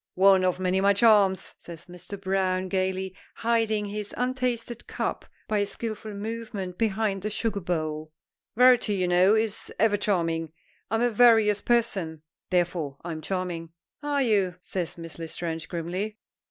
"One of my many charms," says Mr. Browne gayly, hiding his untasted cup by a skillful movement behind the sugar bowl. "Variety, you know, is ever charming. I'm a various person, therefore I'm charming." "Are you?" says Miss L'Estrange, grimly.